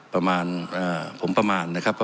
ผมประมาณนะครับ